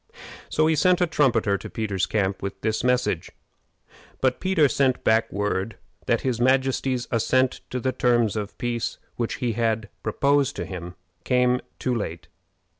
So he sent a trumpeter to Peter's camp with the message; but Peter sent word back that his majesty's assent to the terms of peace which he had proposed to him came too late.